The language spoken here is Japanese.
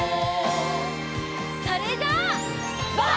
それじゃあ。